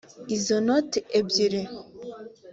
Izo noti ebyiri